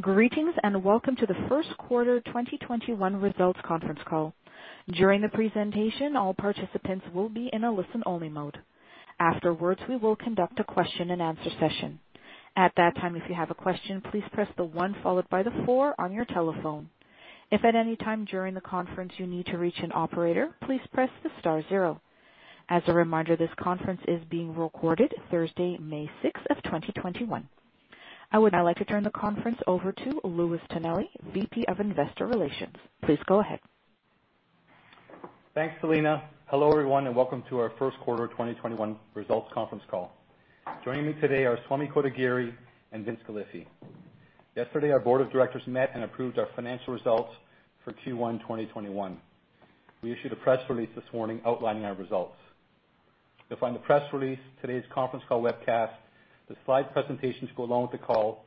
Greetings, welcome to the first quarter 2021 results conference call. During the presentation, all participants will be in a listen-only mode. Afterwards, we will conduct a question and answer session. At that time, if you have a question, please press the one followed by the four on your telephone. If at any time during the conference you need to reach an operator, please press the star zero. As a reminder, this conference is being recorded Thursday, May 6th, 2021. I would now like to turn the conference over to Louis Tonelli, VP of Investor Relations. Please go ahead. Thanks, Selena. Hello, everyone, and welcome to our first quarter 2021 results conference call. Joining me today are Swamy Kotagiri and Vince Galifi. Yesterday, our board of directors met and approved our financial results for Q1 2021. We issued a press release this morning outlining our results. You'll find the press release, today's conference call webcast, the slide presentations to go along with the call,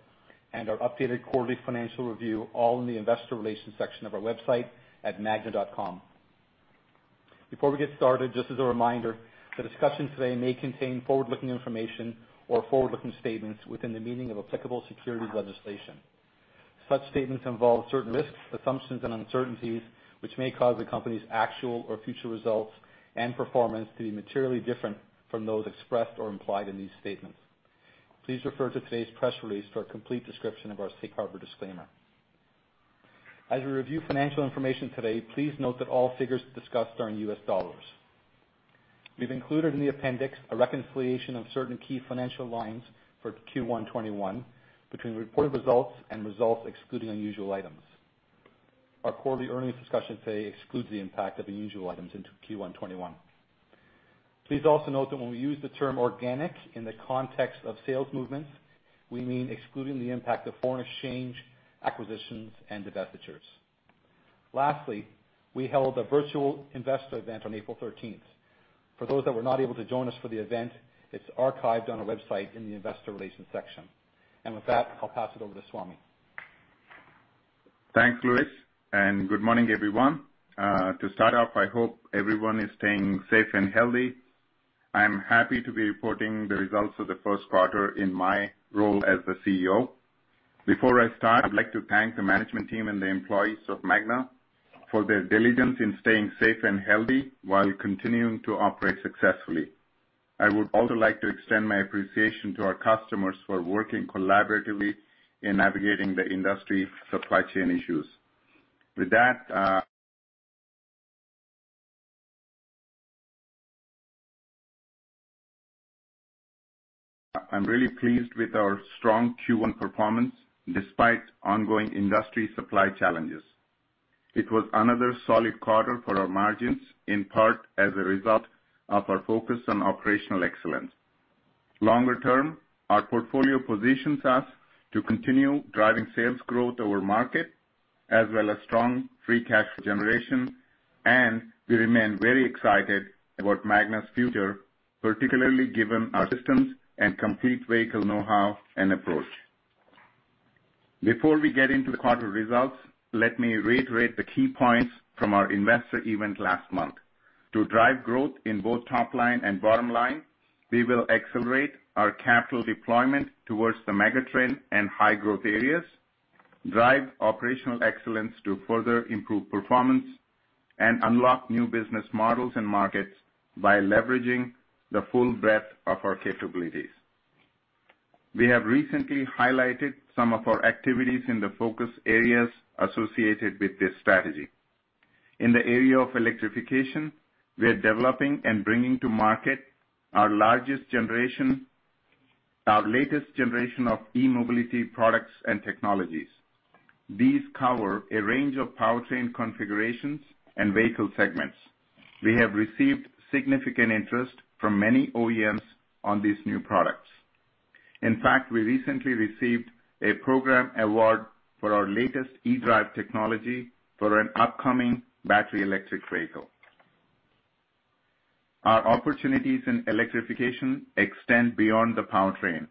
and our updated quarterly financial review all in the investor relations section of our website at magna.com. Before we get started, just as a reminder, the discussion today may contain forward-looking information or forward-looking statements within the meaning of applicable securities legislation. Such statements involve certain risks, assumptions, and uncertainties, which may cause the company's actual or future results and performance to be materially different from those expressed or implied in these statements. Please refer to today's press release for a complete description of our safe harbor disclaimer. As we review financial information today, please note that all figures discussed are in U.S. dollars. We've included in the appendix a reconciliation of certain key financial lines for Q1 2021 between reported results and results excluding unusual items. Our quarterly earnings discussion today excludes the impact of unusual items into Q1 2021. Please also note that when we use the term organic in the context of sales movements, we mean excluding the impact of foreign exchange, acquisitions, and divestitures. Lastly, we held a virtual investor event on April 13th. For those that were not able to join us for the event, it's archived on our website in the investor relations section. With that, I'll pass it over to Swamy. Thanks, Louis. Good morning, everyone. To start off, I hope everyone is staying safe and healthy. I'm happy to be reporting the results of the first quarter in my role as the CEO. Before I start, I'd like to thank the management team and the employees of Magna for their diligence in staying safe and healthy while continuing to operate successfully. I would also like to extend my appreciation to our customers for working collaboratively in navigating the industry supply chain issues. With that, I'm really pleased with our strong Q1 performance despite ongoing industry supply challenges. It was another solid quarter for our margins, in part as a result of our focus on operational excellence. Longer term, our portfolio positions us to continue driving sales growth over market, as well as strong free cash flow generation, and we remain very excited about Magna's future, particularly given our systems and complete vehicle know-how and approach. Before we get into the quarter results, let me reiterate the key points from our investor event last month. To drive growth in both top line and bottom line, we will accelerate our capital deployment towards the mega trend and high growth areas, drive operational excellence to further improve performance, and unlock new business models and markets by leveraging the full breadth of our capabilities. We have recently highlighted some of our activities in the focus areas associated with this strategy. In the area of electrification, we are developing and bringing to market our latest generation of e-mobility products and technologies. These cover a range of powertrain configurations and vehicle segments. We have received significant interest from many OEMs on these new products. In fact, we recently received a program award for our latest eDrive technology for an upcoming battery electric vehicle. Our opportunities in electrification extend beyond the powertrain.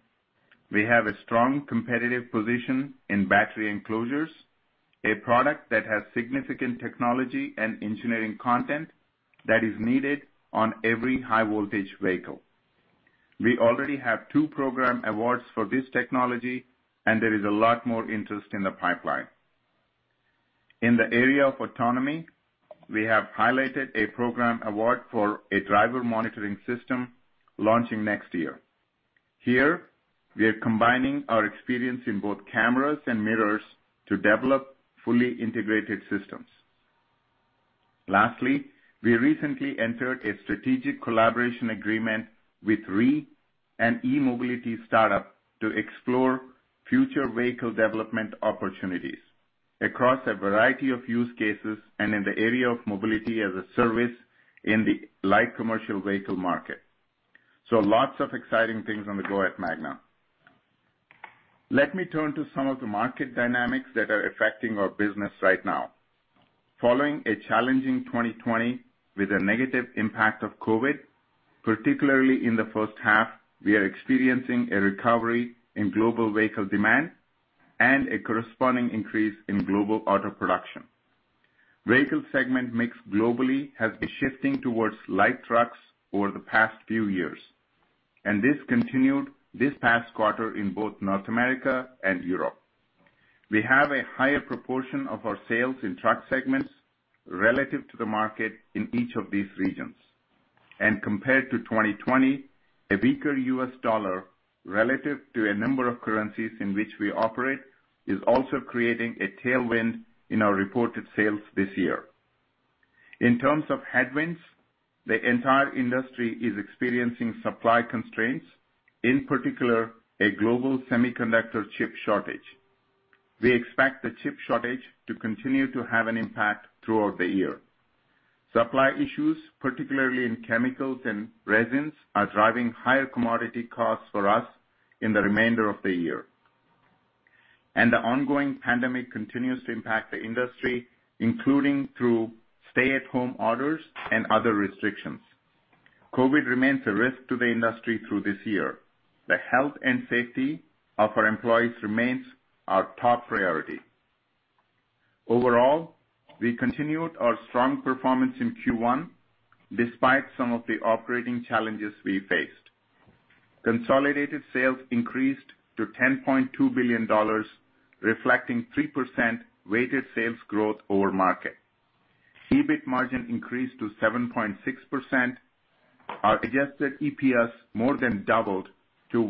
We have a strong competitive position in battery enclosures, a product that has significant technology and engineering content that is needed on every high-voltage vehicle. We already have two program awards for this technology, and there is a lot more interest in the pipeline. In the area of autonomy, we have highlighted a program award for a driver monitoring system launching next year. Here, we are combining our experience in both cameras and mirrors to develop fully integrated systems. Lastly, we recently entered a strategic collaboration agreement with REE, an e-mobility startup, to explore future vehicle development opportunities across a variety of use cases and in the area of mobility as a service in the light commercial vehicle market. Lots of exciting things on the go at Magna. Let me turn to some of the market dynamics that are affecting our business right now. Following a challenging 2020 with a negative impact of COVID, particularly in the first half, we are experiencing a recovery in global vehicle demand and a corresponding increase in global auto production. Vehicle segment mix globally has been shifting towards light trucks over the past few years, and this continued this past quarter in both North America and Europe. We have a higher proportion of our sales in truck segments relative to the market in each of these regions. Compared to 2020, a weaker U.S. dollar relative to a number of currencies in which we operate is also creating a tailwind in our reported sales this year. In terms of headwinds, the entire industry is experiencing supply constraints, in particular, a global semiconductor chip shortage. We expect the chip shortage to continue to have an impact throughout the year. Supply issues, particularly in chemicals and resins, are driving higher commodity costs for us in the remainder of the year. The ongoing pandemic continues to impact the industry, including through stay-at-home orders and other restrictions. COVID remains a risk to the industry through this year. The health and safety of our employees remains our top priority. Overall, we continued our strong performance in Q1 despite some of the operating challenges we faced. Consolidated sales increased to $10.2 billion, reflecting 3% weighted sales growth over market. EBIT margin increased to 7.6%. Our adjusted EPS more than doubled to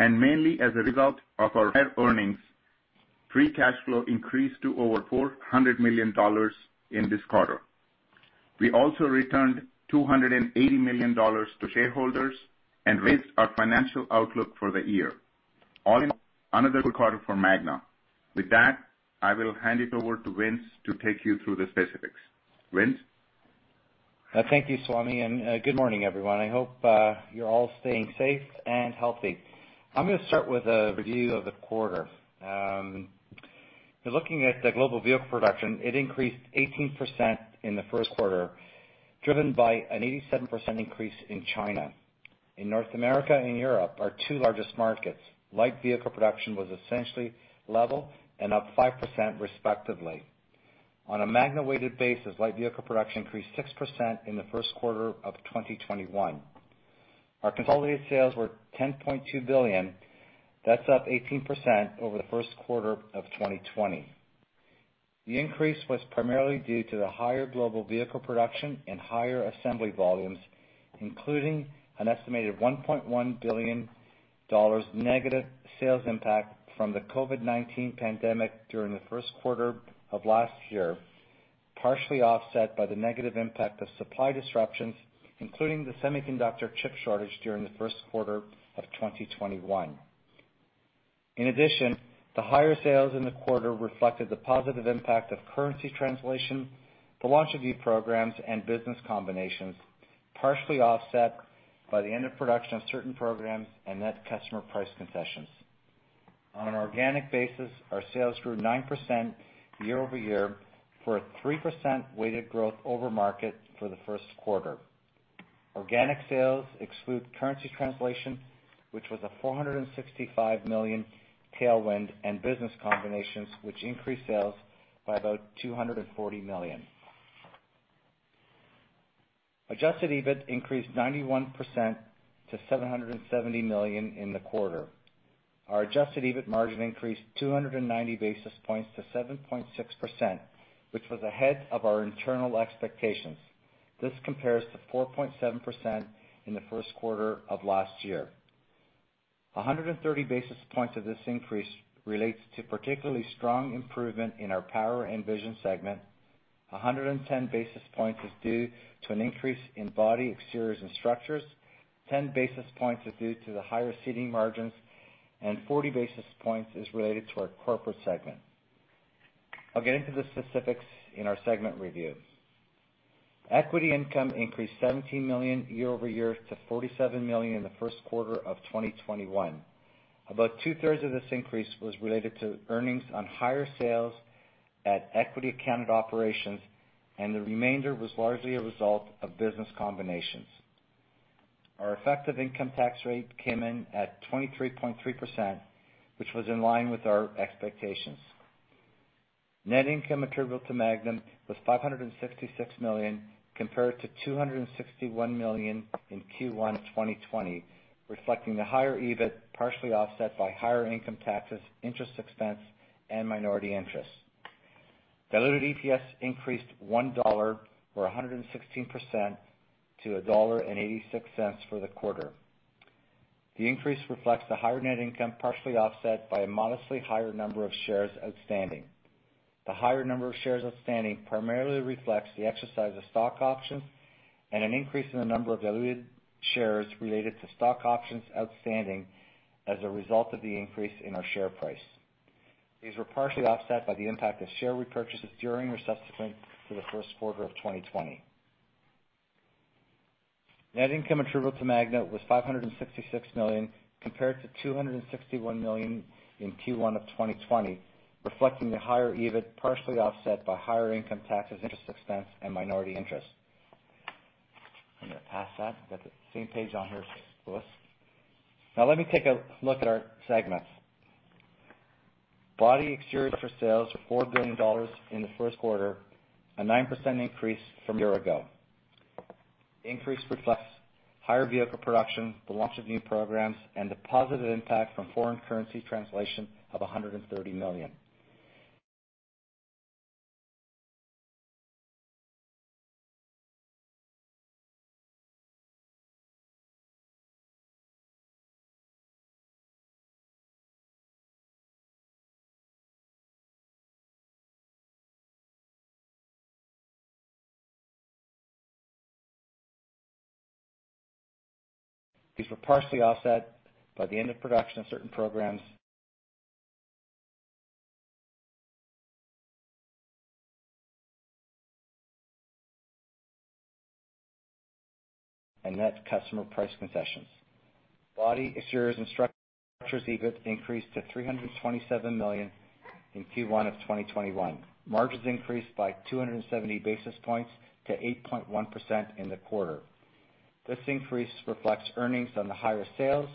$1.86. Mainly as a result of our high earnings, free cash flow increased to over $400 million in this quarter. We also returned $280 million to shareholders and raised our financial outlook for the year. All in all, another good quarter for Magna. With that, I will hand it over to Vince to take you through the specifics. Vince? Thank you, Swamy, good morning, everyone. I hope you're all staying safe and healthy. I'm going to start with a review of the quarter. If you're looking at the global vehicle production, it increased 18% in the first quarter, driven by an 87% increase in China. In North America and Europe, our two largest markets, light vehicle production was essentially level and up 5% respectively. On a Magna-weighted basis, light vehicle production increased 6% in the first quarter of 2021. Our consolidated sales were $10.2 billion. That's up 18% over the first quarter of 2020. The increase was primarily due to the higher global vehicle production and higher assembly volumes, including an estimated $1.1 billion negative sales impact from the COVID-19 pandemic during the first quarter of last year, partially offset by the negative impact of supply disruptions, including the semiconductor chip shortage during the first quarter of 2021. In addition, the higher sales in the quarter reflected the positive impact of currency translation, the launch of new programs, and business combinations, partially offset by the end of production of certain programs and net customer price concessions. On an organic basis, our sales grew 9% year-over-year for a 3% weighted growth over market for the first quarter. Organic sales exclude currency translation, which was a $465 million tailwind and business combinations, which increased sales by about $240 million. Adjusted EBIT increased 91% to $770 million in the quarter. Our adjusted EBIT margin increased 290 basis points to 7.6%, which was ahead of our internal expectations. This compares to 4.7% in the first quarter of last year. 130 basis points of this increase relates to particularly strong improvement in our Power & Vision segment. 110 basis points is due to an increase in Body Exteriors & Structures, 10 basis points is due to the higher seating margins, and 40 basis points is related to our corporate segment. I'll get into the specifics in our segment review. Equity income increased $17 million year-over-year to $47 million in the first quarter of 2021. About two-thirds of this increase was related to earnings on higher sales at equity accounted operations, and the remainder was largely a result of business combinations. Our effective income tax rate came in at 23.3%, which was in line with our expectations. Net income attributable to Magna was $566 million, compared to $261 million in Q1 2020, reflecting the higher EBIT, partially offset by higher income taxes, interest expense and minority interest. Diluted EPS increased $1, or 116%, to $1.86 for the quarter. The increase reflects the higher net income, partially offset by a modestly higher number of shares outstanding. The higher number of shares outstanding primarily reflects the exercise of stock options and an increase in the number of diluted shares related to stock options outstanding as a result of the increase in our share price. These were partially offset by the impact of share repurchases during or subsequent to the first quarter of 2020. Net income attributable to Magna was $566 million, compared to $261 million in Q1 of 2020, reflecting the higher EBIT, partially offset by higher income taxes, interest expense and minority interest. Past that. Got the same page on here. Let me take a look at our segments. Body Exteriors for sales are $4 billion in the first quarter, a 9% increase from a year ago. Increase reflects higher vehicle production, the launch of new programs, and a positive impact from foreign currency translation of $130 million. These were partially offset by the end of production of certain programs and net customer price concessions. Body Exteriors & Structures EBIT increased to $327 million in Q1 2021. Margins increased by 270 basis points to 8.1% in the quarter. This increase reflects earnings on the higher sales,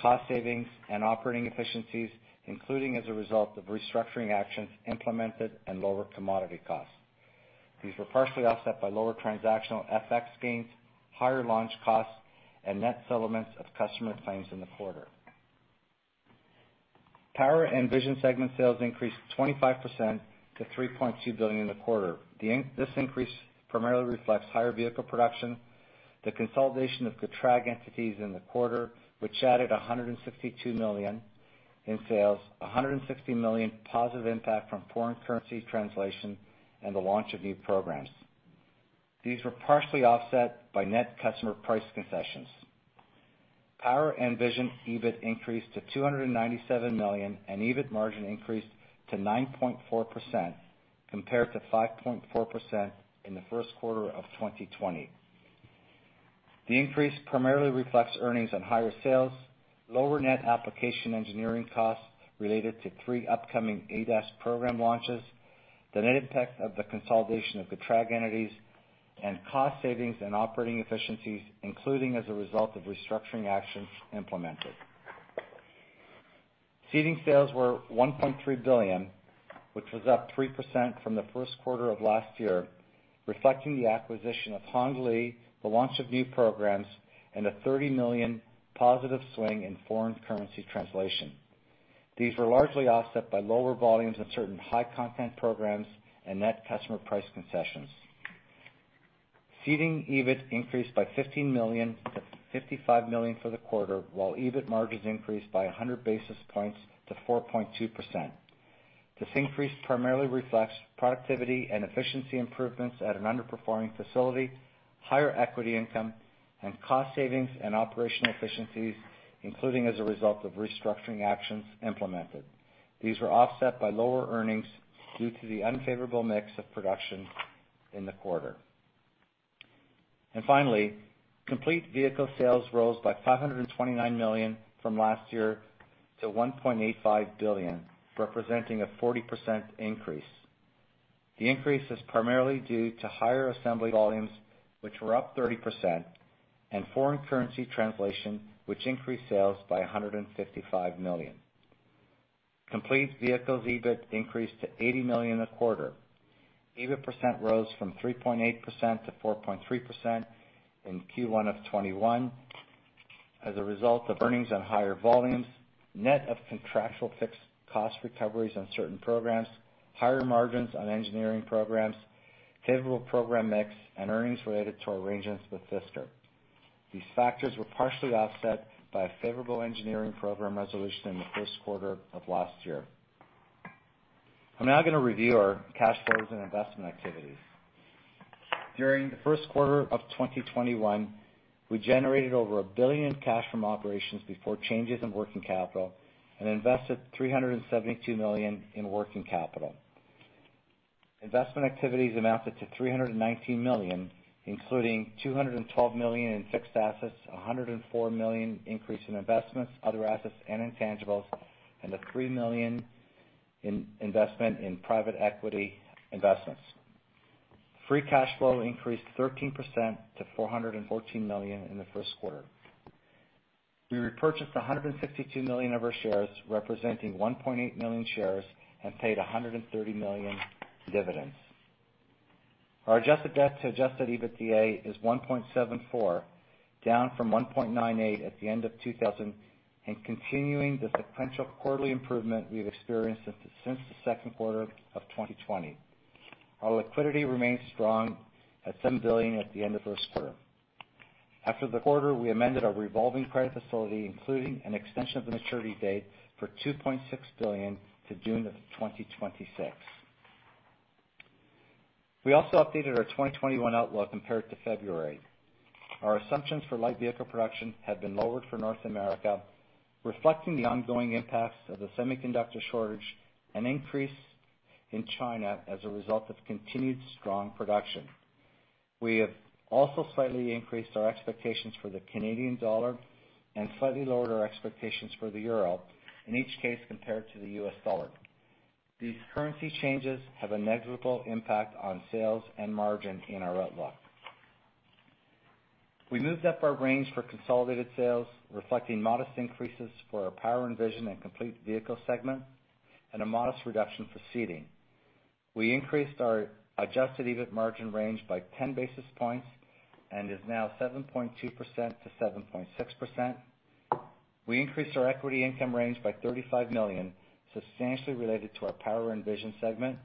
cost savings and operating efficiencies, including as a result of restructuring actions implemented and lower commodity costs. These were partially offset by lower transactional FX gains, higher launch costs, and net settlements of customer claims in the quarter. Power & Vision segment sales increased 25% to $3.2 billion in the quarter. This increase primarily reflects higher vehicle production, the consolidation of GETRAG entities in the quarter, which added $162 million in sales, $160 million positive impact from foreign currency translation, and the launch of new programs. These were partially offset by net customer price concessions. Power & Vision EBIT increased to $297 million, and EBIT margin increased to 9.4% compared to 5.4% in the first quarter of 2020. The increase primarily reflects earnings on higher sales, lower net application engineering costs related to three upcoming ADAS program launches, the net impact of the consolidation of GETRAG entities, and cost savings and operating efficiencies, including as a result of restructuring actions implemented. Seating sales were $1.3 billion, which was up 3% from the first quarter of last year, reflecting the acquisition of Honglizhixin, the launch of new programs, and a $30 million positive swing in foreign currency translation. These were largely offset by lower volumes in certain high content programs and net customer price concessions. Seating EBIT increased by $15 million to $55 million for the quarter, while EBIT margins increased by 100 basis points to 4.2%. This increase primarily reflects productivity and efficiency improvements at an underperforming facility, higher equity income, and cost savings and operational efficiencies, including as a result of restructuring actions implemented. These were offset by lower earnings due to the unfavorable mix of production in the quarter. Finally, complete vehicle sales rose by $529 million from last year to $1.85 billion, representing a 40% increase. The increase is primarily due to higher assembly volumes, which were up 30%, and foreign currency translation, which increased sales by $155 million. Complete vehicles EBIT increased to $80 million a quarter. EBIT percent rose from 3.8% to 4.3% in Q1 2021 as a result of earnings on higher volumes, net of contractual fixed cost recoveries on certain programs, higher margins on engineering programs, favorable program mix, and earnings related to arrangements with Fisker. These factors were partially offset by a favorable engineering program resolution in the first quarter of last year. I'm now going to review our cash flows and investment activities. During the first quarter of 2021, we generated over $1 billion in cash from operations before changes in working capital and invested $372 million in working capital. Investment activities amounted to $319 million, including $212 million in fixed assets, $104 million increase in investments, other assets and intangibles, and a $3 million investment in private equity investments. Free cash flow increased 13% to $414 million in the first quarter. We repurchased 162 million of our shares, representing 1.8 million shares, and paid $130 million dividends. Our adjusted debt to adjusted EBITDA is 1.74, down from 1.98 at the end of 2020, and continuing the sequential quarterly improvement we've experienced since the second quarter of 2020. Our liquidity remains strong at 7 billion at the end of the first quarter. After the quarter, we amended our revolving credit facility, including an extension of the maturity date for 2.6 billion to June of 2026. We also updated our 2021 outlook compared to February. Our assumptions for light vehicle production have been lowered for North America, reflecting the ongoing impacts of the semiconductor shortage and increase in China as a result of continued strong production. We have also slightly increased our expectations for the Canadian dollar and slightly lowered our expectations for the euro, in each case, compared to the U.S. dollar. These currency changes have a negligible impact on sales and margin in our outlook. We moved up our range for consolidated sales, reflecting modest increases for our Power & Vision and Complete Vehicle segment, and a modest reduction for seating. We increased our adjusted EBIT margin range by 10 basis points, and is now 7.2%-7.6%. We increased our equity income range by $35 million, substantially related to our Power & Vision segment.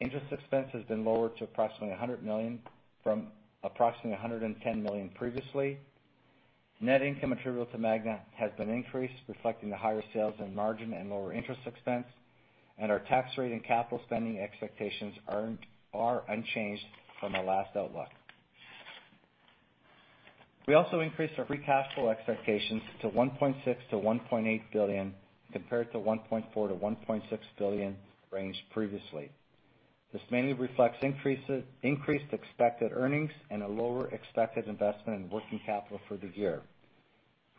Interest expense has been lowered to approximately $100 million from approximately $110 million previously. Net income attributable to Magna has been increased, reflecting the higher sales and margin and lower interest expense. Our tax rate and capital spending expectations are unchanged from our last outlook. We also increased our free cash flow expectations to $1.6 billion-$1.8 billion, compared to $1.4 billion-$1.6 billion range previously. This mainly reflects increased expected earnings and a lower expected investment in working capital for the year.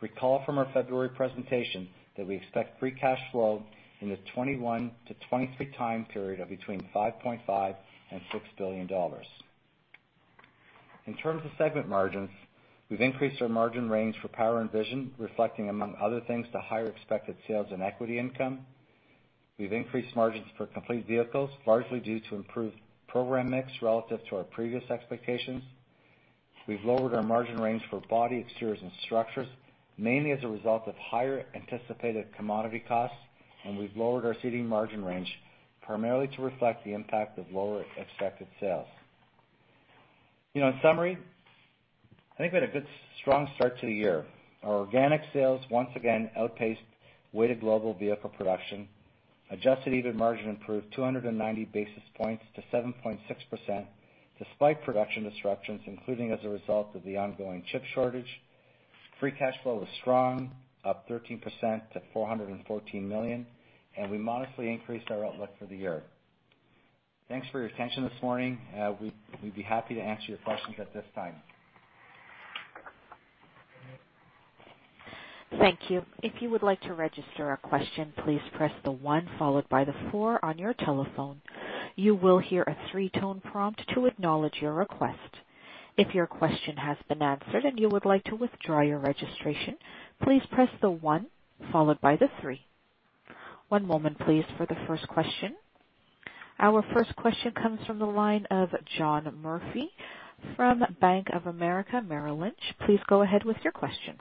Recall from our February presentation that we expect free cash flow in the 2021 to 2023 time period of between $5.5 billion and $6 billion. In terms of segment margins, we've increased our margin range for Power & Vision, reflecting among other things, the higher expected sales and equity income. We've increased margins for complete vehicles, largely due to improved program mix relative to our previous expectations. We've lowered our margin range for Body Exteriors & Structures, mainly as a result of higher anticipated commodity costs, and we've lowered our seating margin range, primarily to reflect the impact of lower expected sales. In summary, I think we had a good strong start to the year. Our organic sales once again outpaced weighted global vehicle production. Adjusted EBIT margin improved 290 basis points to 7.6%, despite production disruptions, including as a result of the ongoing chip shortage. Free cash flow was strong, up 13% to $414 million, and we modestly increased our outlook for the year. Thanks for your attention this morning. We'd be happy to answer your questions at this time. Thank you. One moment, please, for the first question. Our first question comes from the line of John Murphy from Bank of America Merrill Lynch. Please go ahead with your question.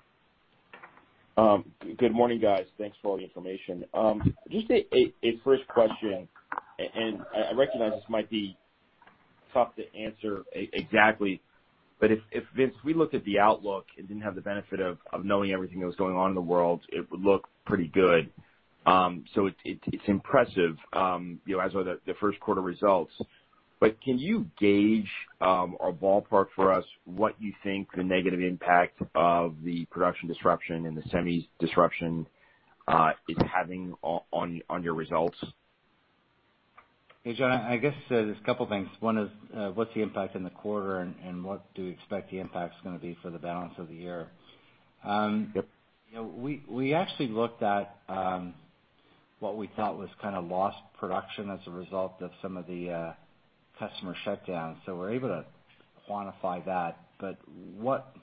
Good morning, guys. Thanks for all the information. Just a first question, and I recognize this might be tough to answer exactly, if, Vince, we looked at the outlook and didn't have the benefit of knowing everything that was going on in the world, it would look pretty good. It's impressive, as are the first quarter results. Can you gauge or ballpark for us what you think the negative impact of the production disruption and the semi disruption is having on your results? Hey, John, I guess there's a couple things. One is, what's the impact in the quarter and what do we expect the impact is gonna be for the balance of the year? Yep. We actually looked at what we thought was kind of lost production as a result of some of the customer shutdowns. We're able to quantify that. What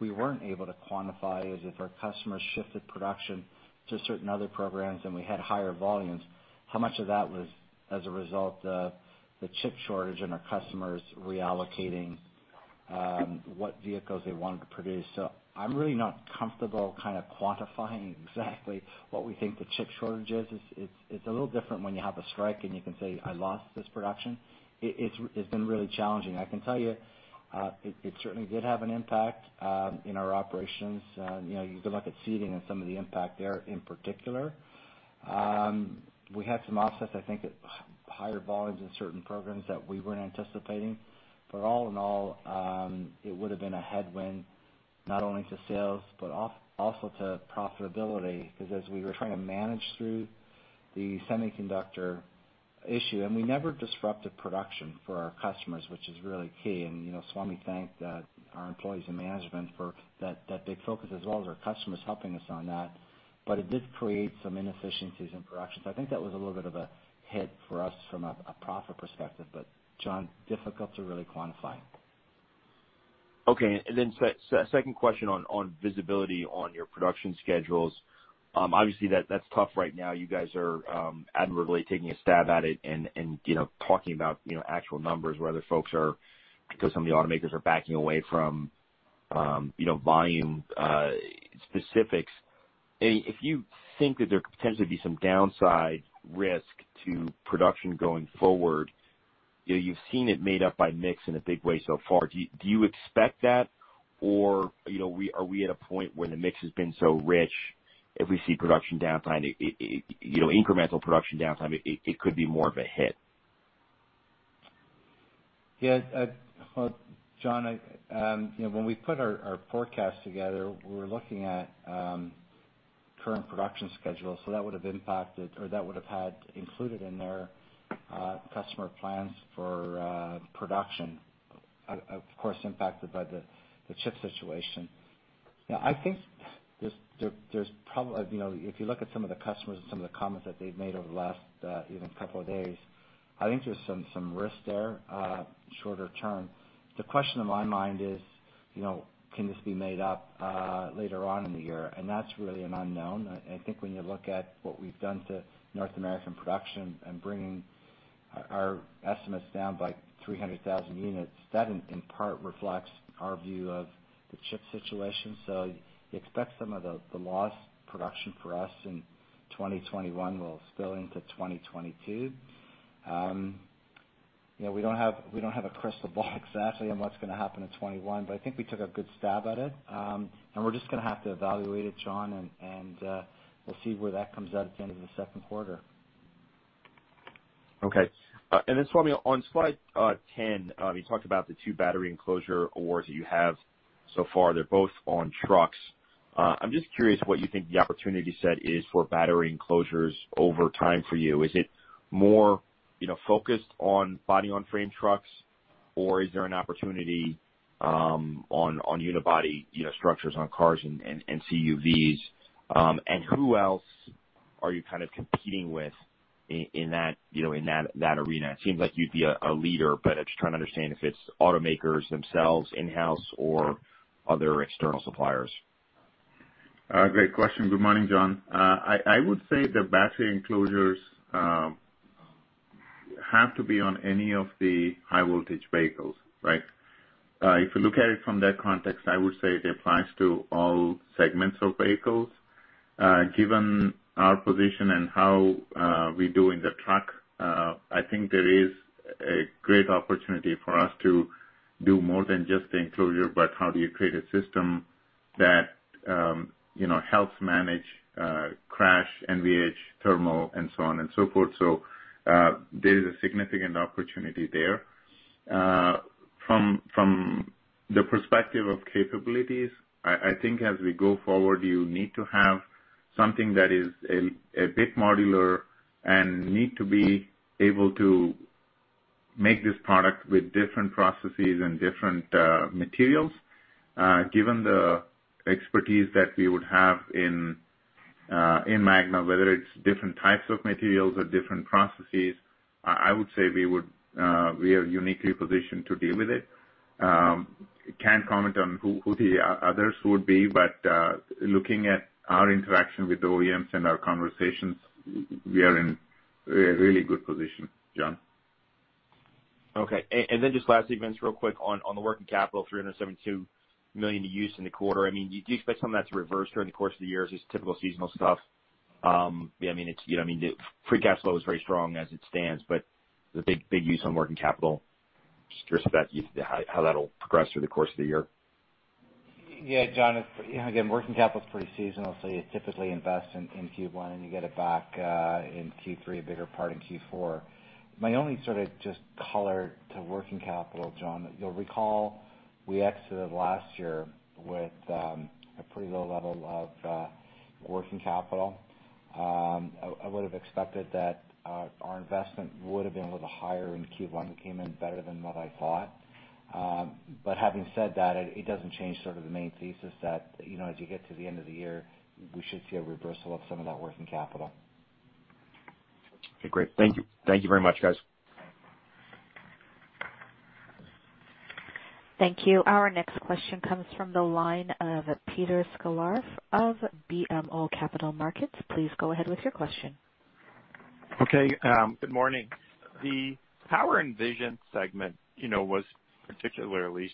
we weren't able to quantify is if our customers shifted production to certain other programs and we had higher volumes, how much of that was as a result of the chip shortage and our customers reallocating what vehicles they wanted to produce. I'm really not comfortable kind of quantifying exactly what we think the chip shortage is. It's a little different when you have a strike and you can say, "I lost this production." It's been really challenging. I can tell you, it certainly did have an impact in our operations. You can look at seating and some of the impact there in particular. We had some offsets, I think, at higher volumes in certain programs that we weren't anticipating. All in all, it would've been a headwind, not only to sales, but also to profitability, because as we were trying to manage through the semiconductor issue, and we never disrupted production for our customers, which is really key. Swamy thanked our employees and management for that big focus, as well as our customers helping us on that. It did create some inefficiencies in production, I think that was a little bit of a hit for us from a profit perspective. John, difficult to really quantify. Okay. Second question on visibility on your production schedules. Obviously that is tough right now. You guys are admirably taking a stab at it and talking about actual numbers where other folks are Because some of the automakers are backing away from volume specifics. If you think that there could potentially be some downside risk to production going forward, you have seen it made up by mix in a big way so far. Do you expect that? Are we at a point where the mix has been so rich, if we see production downtime, incremental production downtime, it could be more of a hit? Yeah. Well, John, when we put our forecast together, we were looking at current production schedules, so that would have impacted, or that would have had included in there customer plans for production, of course, impacted by the chip situation. I think if you look at some of the customers and some of the comments that they've made over the last even couple of days, I think there's some risk there shorter term. The question in my mind is can this be made up later on in the year? That's really an unknown. I think when you look at what we've done to North American production and bringing our estimates down by 300,000 units, that in part reflects our view of the chip situation. Expect some of the lost production for us in 2021 will spill into 2022. We don't have a crystal ball exactly on what's going to happen in 2021, but I think we took a good stab at it. We're just going to have to evaluate it, John, and we'll see where that comes out at the end of the second quarter. Okay. Swamy, on slide 10, you talked about the two battery enclosure awards that you have so far. They're both on trucks. I'm just curious what you think the opportunity set is for battery enclosures over time for you. Is it more focused on body-on-frame trucks, or is there an opportunity on unibody structures on cars and CUVs? Who else are you competing with in that arena? It seems like you'd be a leader, but I'm just trying to understand if it's automakers themselves in-house or other external suppliers. Great question. Good morning, John. I would say the battery enclosures have to be on any of the high-voltage vehicles, right? If you look at it from that context, I would say it applies to all segments of vehicles. Given our position and how we do in the truck, I think there is a great opportunity for us to do more than just the enclosure, but how do you create a system that helps manage crash, NVH, thermal, and so on and so forth. There is a significant opportunity there. From the perspective of capabilities, I think as we go forward, you need to have something that is a bit modular and need to be able to make this product with different processes and different materials. Given the expertise that we would have in Magna, whether it's different types of materials or different processes, I would say we are uniquely positioned to deal with it. Can't comment on who the others would be, but looking at our interaction with OEMs and our conversations, we are in a really good position, John. Okay. Then just last two, Vince, real quick on the working capital, $372 million use in the quarter. Do you expect some of that to reverse during the course of the year as just typical seasonal stuff? Free cash flow is very strong as it stands, but the big use on working capital, just curious about how that'll progress through the course of the year? Yeah, John, again, working capital is pretty seasonal. You typically invest in Q1, and you get it back in Q3, a bigger part in Q4. My only sort of just color to working capital, John, you'll recall we exited last year with a pretty low level of working capital. I would have expected that our investment would have been a little higher in Q1. We came in better than what I thought. Having said that, it doesn't change sort of the main thesis that as you get to the end of the year, we should see a reversal of some of that working capital. Okay, great. Thank you. Thank you very much, guys. Thank you. Our next question comes from the line of Peter Sklar of BMO Capital Markets. Please go ahead with your question. Okay, good morning. The Power & Vision segment was particularly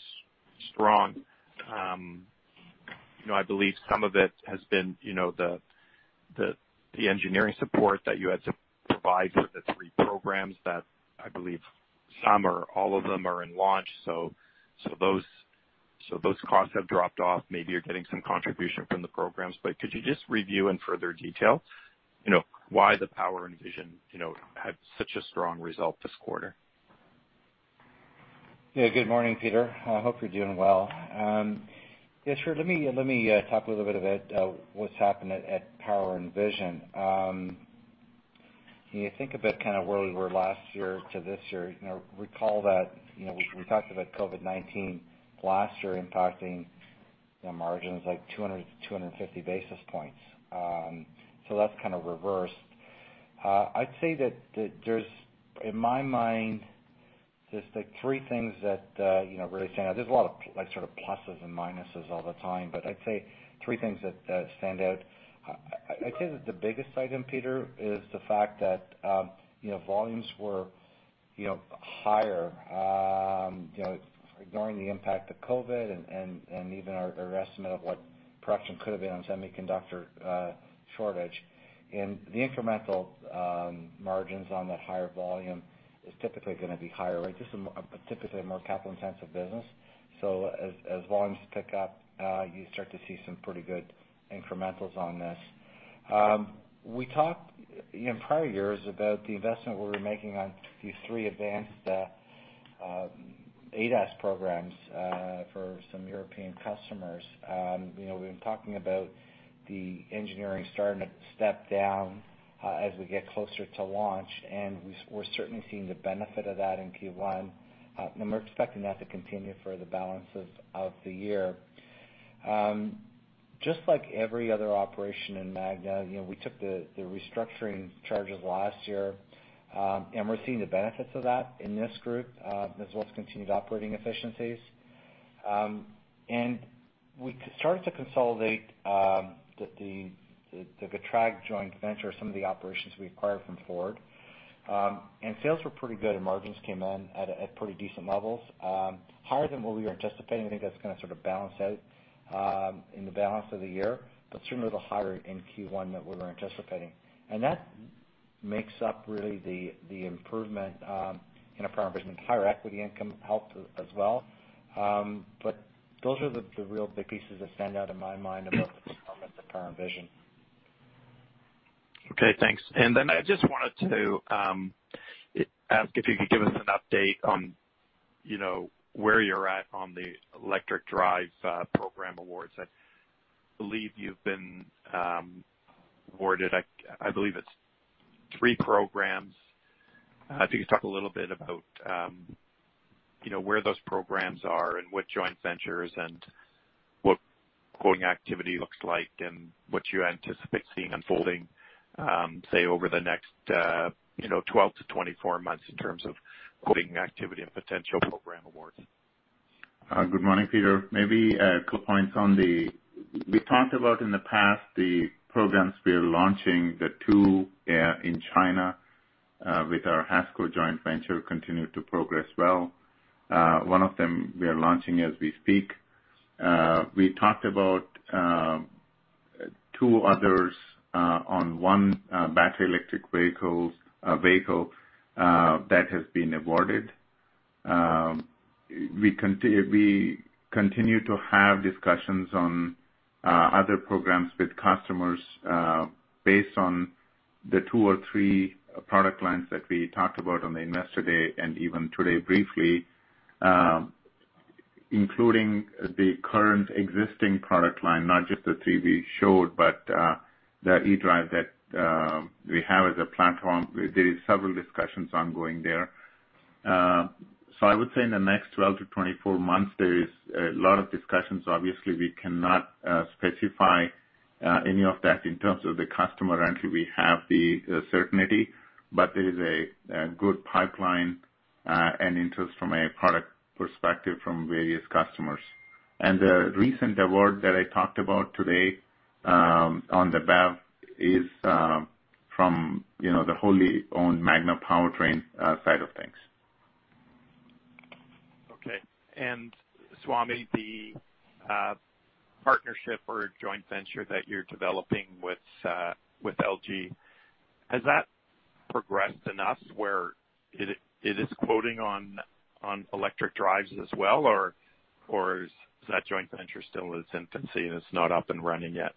strong. I believe some of it has been the engineering support that you had to provide for the three programs that I believe some or all of them are in launch, so those costs have dropped off. Maybe you're getting some contribution from the programs, could you just review in further detail why the Power & Vision had such a strong result this quarter? Good morning, Peter. I hope you're doing well. Sure. Let me talk a little bit about what's happened at Power & Vision. When you think about kind of where we were last year to this year, recall that we talked about COVID-19 last year impacting margins like 200-250 basis points. That's kind of reversed. I'd say that there's, in my mind, just three things that really stand out. There's a lot of sort of pluses and minuses all the time, but I'd say three things that stand out. I'd say that the biggest item, Peter, is the fact that volumes were higher, ignoring the impact of COVID and even our estimate of what production could have been on semiconductor shortage. The incremental margins on that higher volume is typically going to be higher. This is typically a more capital-intensive business, so as volumes pick up, you start to see some pretty good incrementals on this. We talked in prior years about the investment we were making on these three advanced ADAS programs for some European customers. We've been talking about the engineering starting to step down as we get closer to launch, and we're certainly seeing the benefit of that in Q1. We're expecting that to continue for the balances of the year. Just like every other operation in Magna, we took the restructuring charges last year, and we're seeing the benefits of that in this group, as well as continued operating efficiencies. We started to consolidate the GETRAG joint venture, some of the operations we acquired from Ford. Sales were pretty good and margins came in at pretty decent levels. Higher than what we were anticipating. I think that's going to sort of balance out in the balance of the year, but certainly a little higher in Q1 than we were anticipating. That makes up really the improvement in a Power & Vision. Higher equity income helped as well. Those are the real big pieces that stand out in my mind about the performance of Power & Vision. Okay, thanks. I just wanted to ask if you could give us an update on where you're at on the electric drive program awards. I believe you've been awarded three programs. If you could talk a little bit about where those programs are and what joint ventures and what quoting activity looks like and what you anticipate seeing unfolding, say, over the next 12-24 months in terms of quoting activity and potential program awards. Good morning, Peter. We talked about in the past, the programs we are launching, the two in China with our HASCO joint venture, continue to progress well. One of them we are launching as we speak. We talked about two others on one battery electric vehicle. That has been awarded. We continue to have discussions on other programs with customers based on the two or three product lines that we talked about on the Investor Day and even today briefly, including the current existing product line, not just the three we showed, but the eDrive that we have as a platform. There is several discussions ongoing there. I would say in the next 12 to 24 months, there is a lot of discussions. Obviously, we cannot specify any of that in terms of the customer until we have the certainty, but there is a good pipeline and interest from a product perspective from various customers. The recent award that I talked about today on the BEV is from the wholly owned Magna Powertrain side of things. Okay. Swamy, the partnership or joint venture that you're developing with LG, has that progressed enough where it is quoting on electric drives as well, or is that joint venture still in its infancy and it's not up and running yet?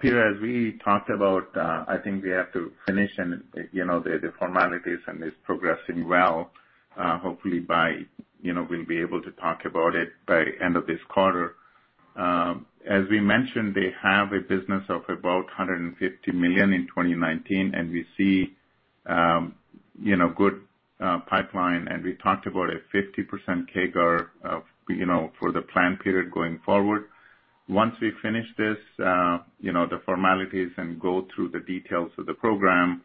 Peter, as we talked about, I think we have to finish the formalities, and it's progressing well. Hopefully we'll be able to talk about it by end of this quarter. As we mentioned, they have a business of about $150 million in 2019, and we see good pipeline, and we talked about a 50% CAGR for the plan period going forward. Once we finish this, the formalities and go through the details of the program,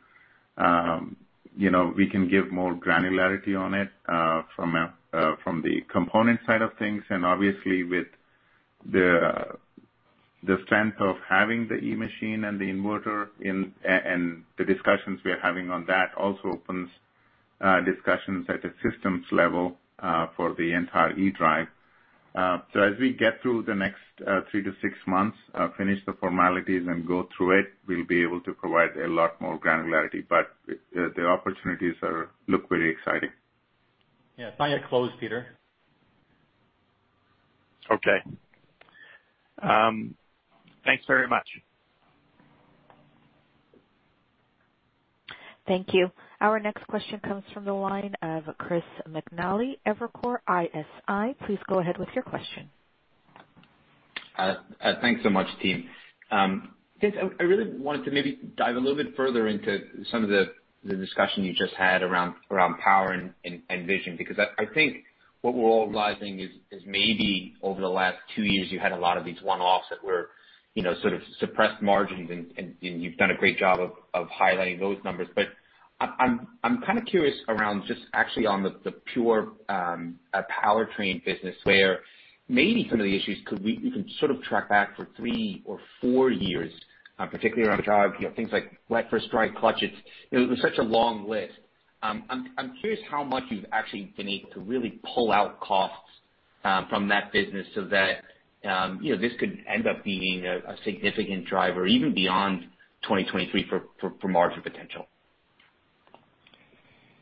we can give more granularity on it from the component side of things, and obviously with the strength of having the e-machine and the inverter and the discussions we are having on that also opens discussions at a systems level for the entire eDrive. As we get through the next three to six months, finish the formalities and go through it, we'll be able to provide a lot more granularity. The opportunities look very exciting. Yeah. I thought you were close, Peter. Okay. Thanks very much. Thank you. Our next question comes from the line of Chris McNally, Evercore ISI. Please go ahead with your question. Thanks so much, team. Vince, I really wanted to maybe dive a little bit further into some of the discussion you just had around Power & Vision, because I think what we're all realizing is maybe over the last two years, you had a lot of these one-offs that were sort of suppressed margins and you've done a great job of highlighting those numbers. I'm kind of curious around just actually on the pure powertrain business where maybe some of the issues you can sort of track back for three or four years, particularly around things like first strike clutches. It was such a long list. I'm curious how much you've actually been able to really pull out costs from that business so that this could end up being a significant driver even beyond 2023 for margin potential.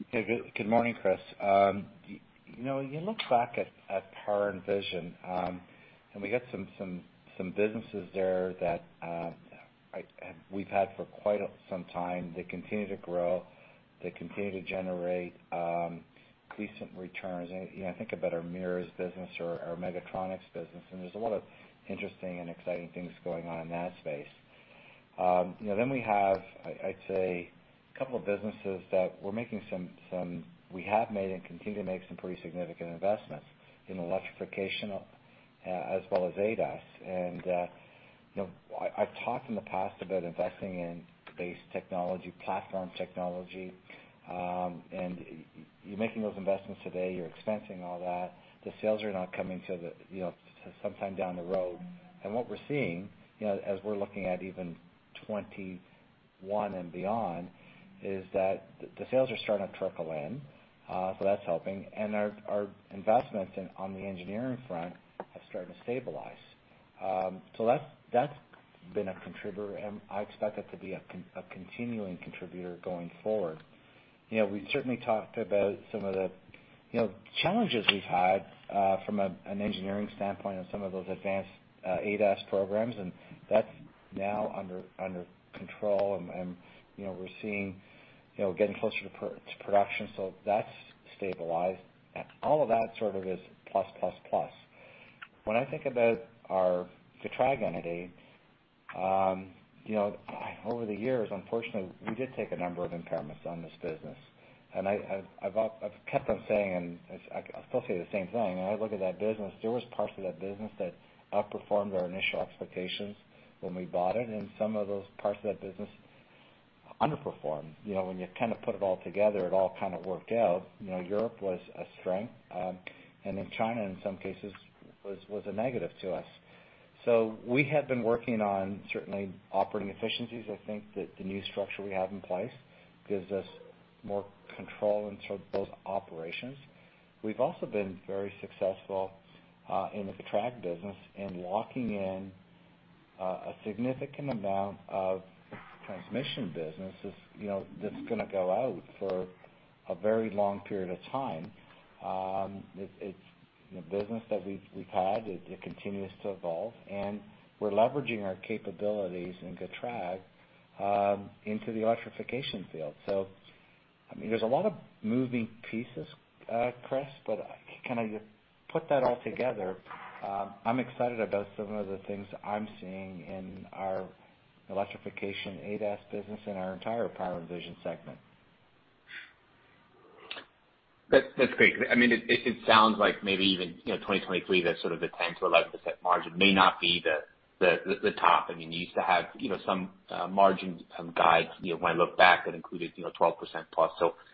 Good morning, Chris. You look back at Power & Vision, and we got some businesses there that we've had for quite some time. They continue to grow. They continue to generate decent returns. I think about our mirrors business or our Mechatronics business, and there's a lot of interesting and exciting things going on in that space. We have, I'd say, a couple of businesses that we have made and continue to make some pretty significant investments in electrification as well as ADAS. I've talked in the past about investing in base technology, platform technology, and you're making those investments today. You're expensing all that. The sales are now coming sometime down the road. What we're seeing, as we're looking at even 2021 and beyond, is that the sales are starting to trickle in, so that's helping. Our investments on the engineering front have started to stabilize. That's been a contributor, and I expect it to be a continuing contributor going forward. We certainly talked about some of the challenges we've had from an engineering standpoint on some of those advanced ADAS programs, and that's now under control and we're getting closer to production, so that's stabilized. All of that sort of is plus, plus. When I think about the GETRAG entity, over the years, unfortunately, we did take a number of impairments on this business. I've kept on saying, and I still say the same thing. When I look at that business, there was parts of that business that outperformed our initial expectations when we bought it, and some of those parts of that business underperformed. When you kind of put it all together, it all kind of worked out. Europe was a strength, and then China, in some cases, was a negative to us. We have been working on certainly operating efficiencies. I think that the new structure we have in place gives us more control in sort of those operations. We've also been very successful in the GETRAG business in locking in a significant amount of transmission business that's going to go out for a very long period of time. It's a business that we've had. It continues to evolve, and we're leveraging our capabilities in GETRAG into the electrification field. There's a lot of moving pieces, Chris, but kind of put that all together. I'm excited about some of the things I'm seeing in our electrification ADAS business in our entire Power & Vision segment. That's great. It sounds like maybe even 2023, that sort of the 10%=11% margin may not be the top. You used to have some margin guides when I look back that included 12%+.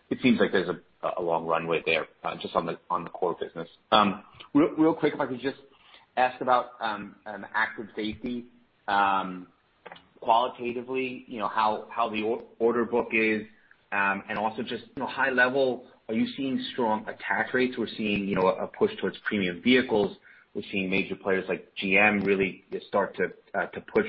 It seems like there's a long runway there just on the core business. Real quick, if I could just ask about active safety. Qualitatively, how the order book is and also just high level, are you seeing strong attach rates? We're seeing a push towards premium vehicles. We're seeing major players like GM really start to push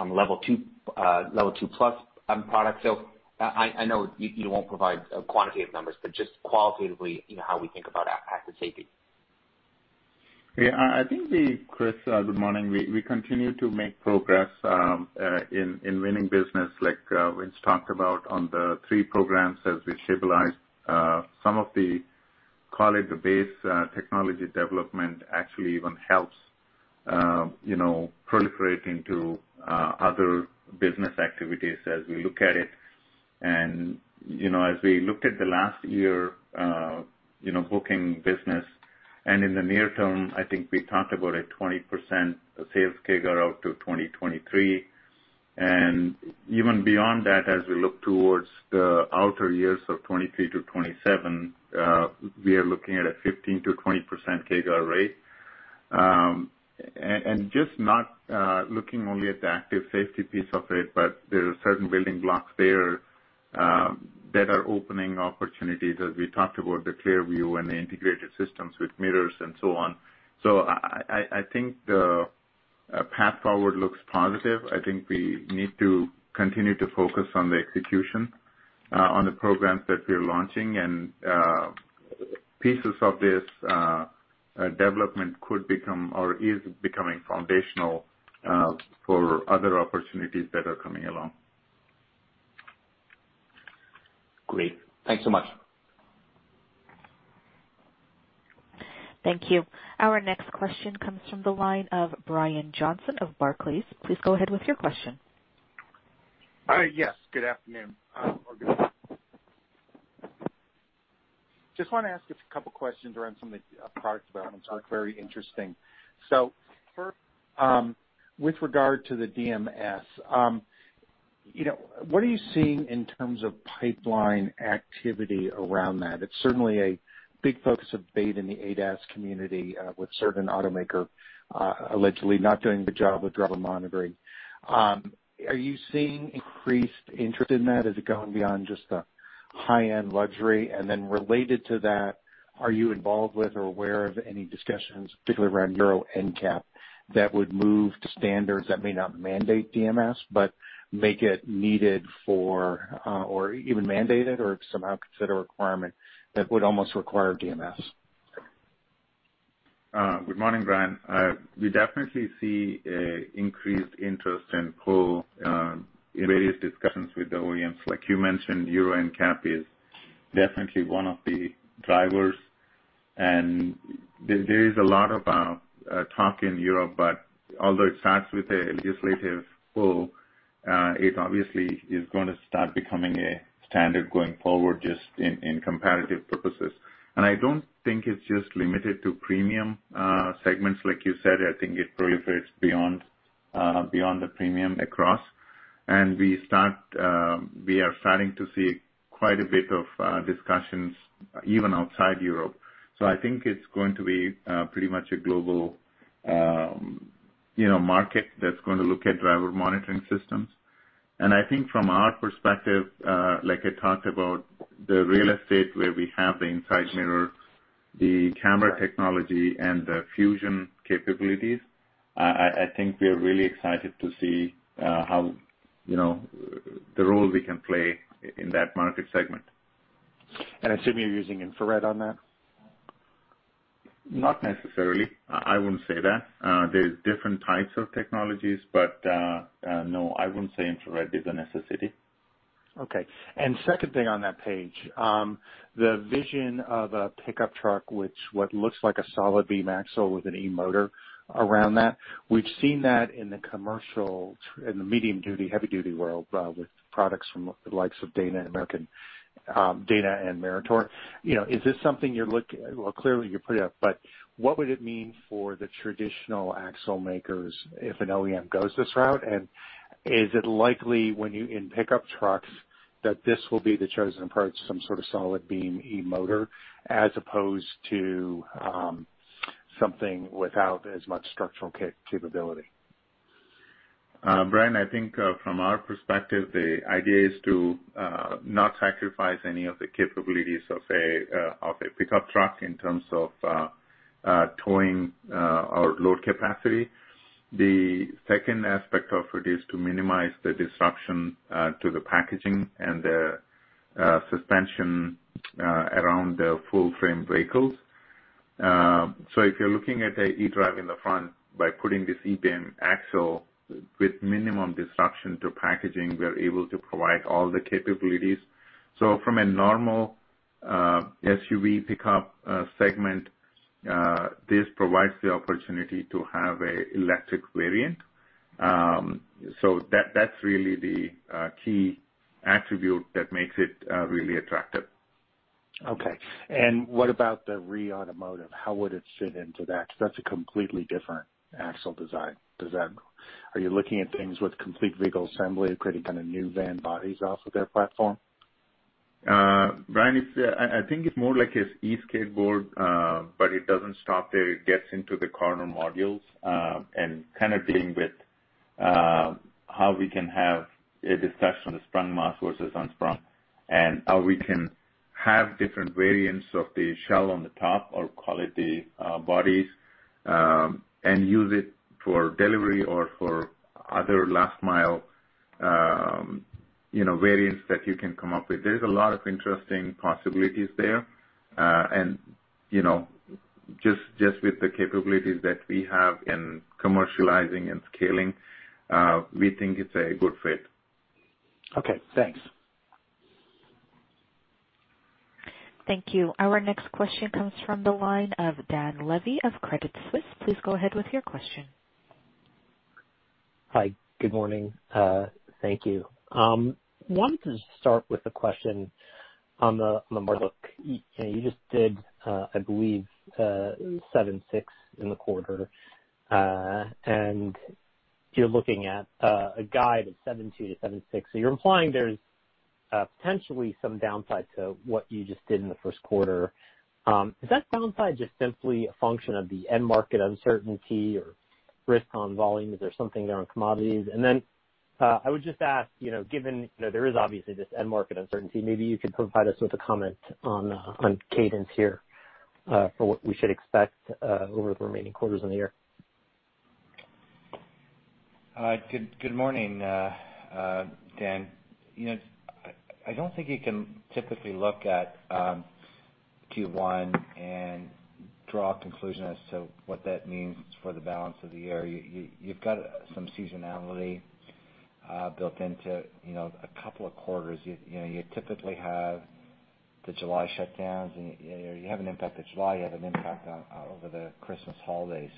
on the level 2+products. I know you won't provide quantitative numbers, but just qualitatively, how we think about active safety. Yeah, Chris, good morning. We continue to make progress in winning business, like Vince talked about on the three programs as we stabilize some of the, call it base technology development actually even helps proliferate into other business activities as we look at it. As we looked at the last year booking business, in the near term, I think we talked about a 20% sales CAGR out to 2023. Even beyond that, as we look towards the outer years of 2023 to 2027, we are looking at a 15%-20% CAGR rate. Just not looking only at the active safety piece of it, but there are certain building blocks there that are opening opportunities as we talked about the ClearView and the integrated systems with mirrors and so on. I think the path forward looks positive. I think we need to continue to focus on the execution on the programs that we're launching, and pieces of this development could become or is becoming foundational for other opportunities that are coming along. Great. Thanks so much. Thank you. Our next question comes from the line of Brian Johnson of Barclays. Please go ahead with your question. Yes, good afternoon or good evening. Just want to ask a couple questions around some of the product developments that look very interesting. First, with regard to the DMS, what are you seeing in terms of pipeline activity around that? It's certainly a big focus of debate in the ADAS community with certain automaker allegedly not doing a good job with driver monitoring. Are you seeing increased interest in that? Has it gone beyond just the high-end luxury? Then related to that, are you involved with or aware of any discussions, particularly around Euro NCAP, that would move to standards that may not mandate DMS, but make it needed for or even mandated or somehow consider a requirement that would almost require DMS? Good morning, Brian. We definitely see increased interest and pull in various discussions with OEMs. Like you mentioned, Euro NCAP is definitely one of the drivers, and there is a lot of talk in Europe, but although it starts with a legislative pull, it obviously is going to start becoming a standard going forward just in comparative purposes. I don't think it's just limited to premium segments like you said. I think it proliferates beyond the premium across. We are starting to see quite a bit of discussions even outside Europe. I think it's going to be pretty much a global market that's going to look at driver monitoring systems. I think from our perspective, like I talked about the real estate where we have the inside mirror, the camera technology, and the fusion capabilities, I think we are really excited to see the role we can play in that market segment. I assume you're using infrared on that? Not necessarily. I wouldn't say that. There's different types of technologies. No, I wouldn't say infrared is a necessity. Okay. Second thing on that page, the vision of a pickup truck, which what looks like a solid B axle with an E-motor around that. We've seen that in the commercial, in the medium duty, heavy duty world, with products from the likes of Dana and Meritor. Well, clearly, you put it up, but what would it mean for the traditional axle makers if an OEM goes this route? Is it likely when you're in pickup trucks that this will be the chosen approach, some sort of solid beam E-motor, as opposed to something without as much structural capability? Brian, I think from our perspective, the idea is to not sacrifice any of the capabilities of a pickup truck in terms of towing or load capacity. The second aspect of it is to minimize the disruption to the packaging and the suspension around the full frame vehicles. If you're looking at an eDrive in the front, by putting this eBeam axle with minimum disruption to packaging, we're able to provide all the capabilities. From a normal SUV pickup segment, this provides the opportunity to have an electric variant. That's really the key attribute that makes it really attractive. Okay. What about the REE Automotive? How would it fit into that? Because that's a completely different axle design. Are you looking at things with complete vehicle assembly, creating kind of new van bodies off of their platform? Brian, I think it's more like an e-skateboard, but it doesn't stop there. It gets into the corner modules, kind of dealing with how we can have a discussion on the sprung mass versus unsprung, and how we can have different variants of the shell on the top or call it the bodies, and use it for delivery or for other last mile variants that you can come up with. There's a lot of interesting possibilities there. Just with the capabilities that we have in commercializing and scaling, we think it's a good fit. Okay, thanks. Thank you. Our next question comes from the line of Dan Levy of Credit Suisse. Please go ahead with your question. Hi. Good morning. Thank you. Wanted to start with a question on the margin. You just did, I believe, 7.6% in the quarter. You're looking at a guide of 7.2%-7.6%. You're implying there's potentially some downside to what you just did in the first quarter. Is that downside just simply a function of the end market uncertainty or risk on volume? Is there something there on commodities? I would just ask, given there is obviously this end market uncertainty, maybe you could provide us with a comment on cadence here, for what we should expect over the remaining quarters in the year. Good morning, Dan. I don't think you can typically look at Q1 and draw a conclusion as to what that means for the balance of the year. You've got some seasonality built into a couple of quarters. You typically have the July shutdowns, you have an impact to July, you have an impact over the Christmas holidays.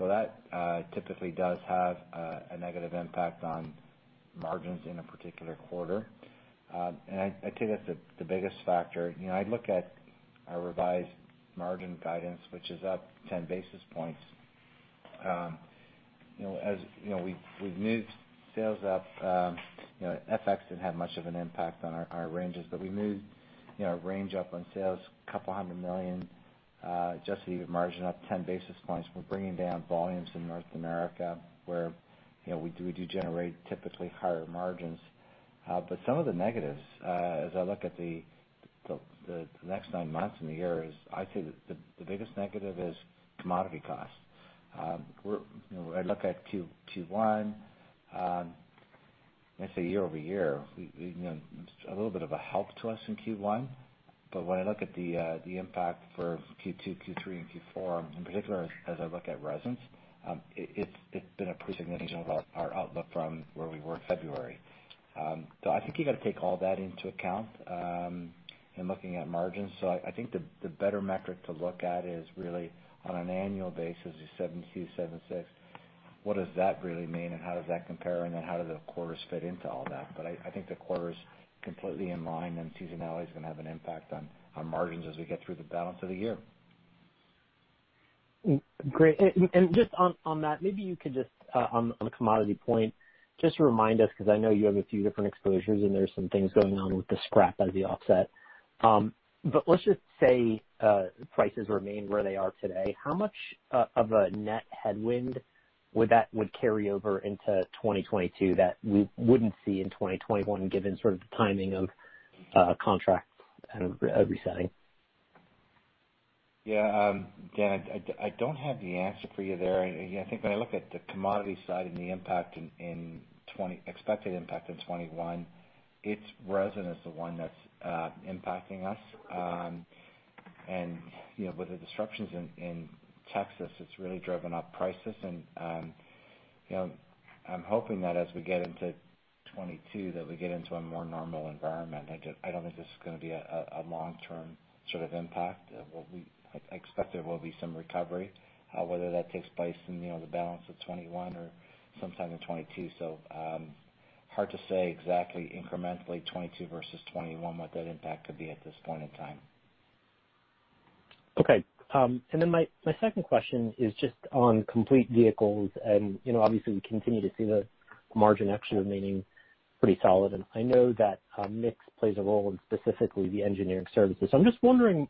That typically does have a negative impact on margins in a particular quarter. I think that's the biggest factor. I look at our revised margin guidance, which is up 10 basis points. As we've moved sales up, FX didn't have much of an impact on our ranges, but we moved our range up on sales 200 million just to get margin up 10 basis points. We're bringing down volumes in North America where we do generate typically higher margins. Some of the negatives, as I look at the next nine months in the year, is I'd say the biggest negative is commodity costs. I look at Q1. When I say year-over-year, it's a little bit of a help to us in Q1. When I look at the impact for Q2, Q3, and Q4, in particular, as I look at resins, it's been a pretty significant part of our outlook from where we were in February. I think you got to take all that into account in looking at margins. I think the better metric to look at is really on an annual basis, the 72, 76. What does that really mean, and how does that compare, and then how do the quarters fit into all that? I think the quarter's completely in line, and seasonality is going to have an impact on margins as we get through the balance of the year. Great. Just on that, maybe you could just on the commodity point, just remind us, because I know you have a few different exposures, and there's some things going on with the scrap as the offset. Let's just say prices remain where they are today. How much of a net headwind would that carry over into 2022 that we wouldn't see in 2021, given sort of the timing of contracts kind of resetting? Yeah. Dan, I don't have the answer for you there. I think when I look at the commodity side and the expected impact in 2021, it's resin is the one that's impacting us. With the disruptions in Texas, it's really driven up prices. I'm hoping that as we get into 2022, that we get into a more normal environment. I don't think this is going to be a long-term sort of impact. I expect there will be some recovery, whether that takes place in the balance of 2021 or sometime in 2022. Hard to say exactly incrementally 2022 versus 2021, what that impact could be at this point in time. Okay. My second question is just on complete vehicles. Obviously we continue to see the margin actually remaining pretty solid. I know that mix plays a role in specifically the engineering services. I'm just wondering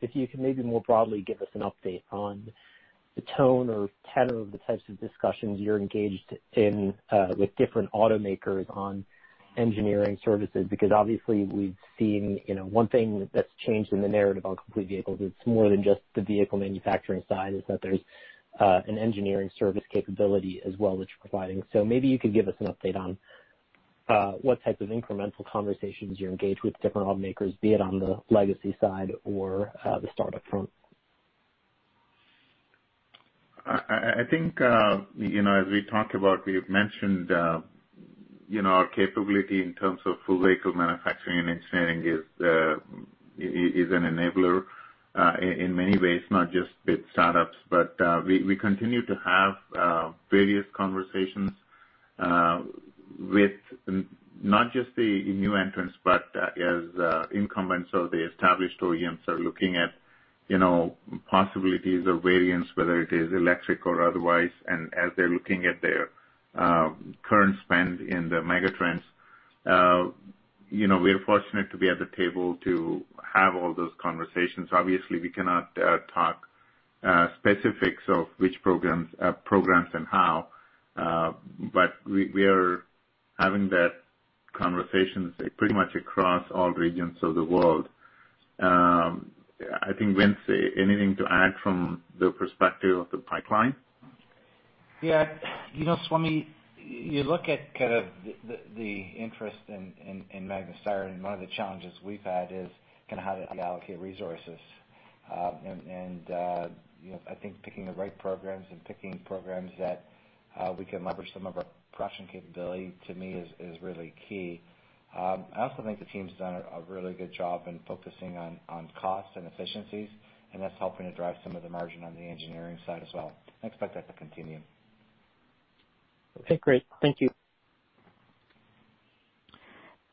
if you could maybe more broadly give us an update on the tone or tenor of the types of discussions you're engaged in with different automakers on engineering services. Obviously we've seen one thing that's changed in the narrative on complete vehicles, it's more than just the vehicle manufacturing side, is that there's an engineering service capability as well that you're providing. Maybe you could give us an update on what types of incremental conversations you're engaged with different automakers, be it on the legacy side or the startup front. I think as we talked about, we've mentioned our capability in terms of full vehicle manufacturing and engineering is an enabler in many ways, not just with startups. We continue to have various conversations with not just the new entrants, but as incumbents or the established OEMs are looking at possibilities of variants, whether it is electric or otherwise. As they're looking at their current spend in the megatrends, we are fortunate to be at the table to have all those conversations. Obviously, we cannot talk specifics of which programs and how, but we are having that conversation pretty much across all regions of the world. I think, Vince, anything to add from the perspective of the pipeline? Yeah. Swamy, you look at kind of the interest in Magna Steyr, and one of the challenges we've had is kind of how to allocate resources. I think picking the right programs and picking programs that we can leverage some of our production capability, to me, is really key. I also think the team's done a really good job in focusing on cost and efficiencies, and that's helping to drive some of the margin on the engineering side as well. I expect that to continue. Okay, great. Thank you.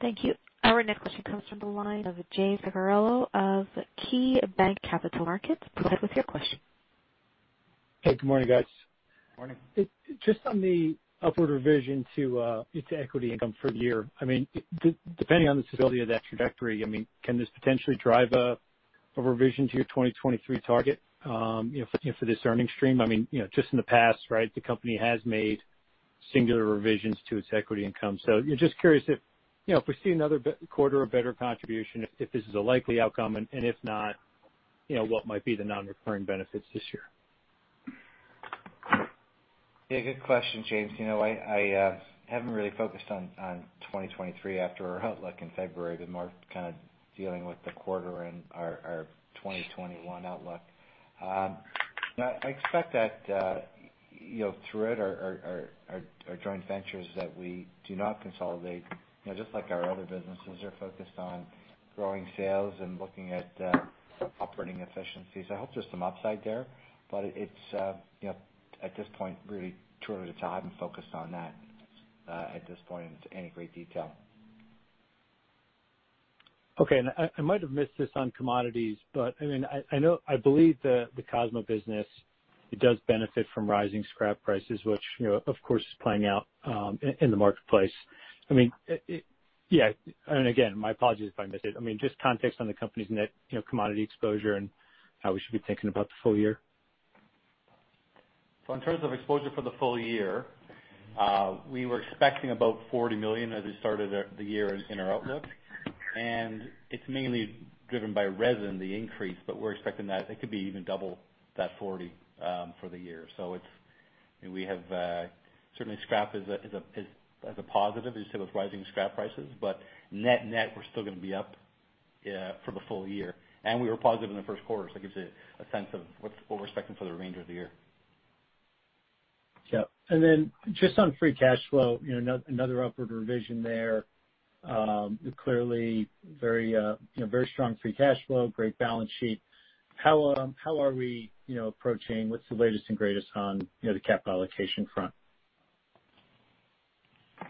Thank you. Our next question comes from the line of James Picariello of KeyBanc Capital Markets. Go ahead with your question. Hey, good morning, guys. Morning. Just on the upward revision to its equity income for the year. Depending on the stability of that trajectory, can this potentially drive a revision to your 2023 target for this earnings stream? Just in the past, the company has made singular revisions to its equity income. Just curious if we see another quarter of better contribution, if this is a likely outcome, and if not, what might be the non-recurring benefits this year? Yeah, good question, James. I haven't really focused on 2023 after our outlook in February, been more kind of dealing with the quarter and our 2021 outlook. I expect that through it, our joint ventures that we do not consolidate, just like our other businesses, are focused on growing sales and looking at operating efficiencies. I hope there's some upside there, but at this point, really too early to tell. I haven't focused on that at this point into any great detail. Okay. I might have missed this on commodities, but I believe the Cosma business, it does benefit from rising scrap prices, which of course is playing out in the marketplace. Again, my apologies if I missed it. Just context on the company's net commodity exposure and how we should be thinking about the full year. In terms of exposure for the full year, we were expecting about $40 million as we started the year in our outlook. And it's mainly driven by resin, the increase, but we're expecting that it could be even double that $40 million for the year. Certainly scrap is a positive, as you said, with rising scrap prices. Net-net, we're still going to be up for the full year. We were positive in the first quarter, so it gives you a sense of what we're expecting for the range of the year. Yeah. Just on free cash flow, another upward revision there. Clearly very strong free cash flow, great balance sheet. What's the latest and greatest on the capital allocation front?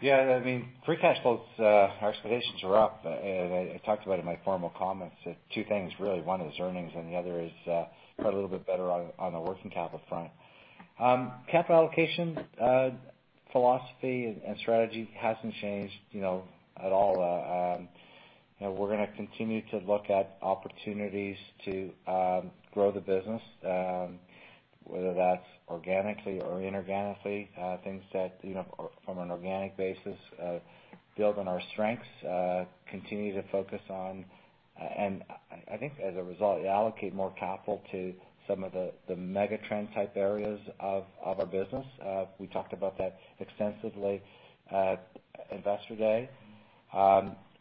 Yeah. Free cash flows, our expectations are up. I talked about it in my formal comments, that two things, really, one is earnings and the other is got a little bit better on the working capital front. Capital allocation philosophy and strategy hasn't changed at all. We're going to continue to look at opportunities to grow the business, whether that's organically or inorganically. Things that, from an organic basis, build on our strengths, continue to focus on, and I think as a result, allocate more capital to some of the mega trend type areas of our business. We talked about that extensively at Investor Day.